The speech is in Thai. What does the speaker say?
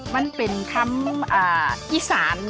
มันเป็นคำอีสาน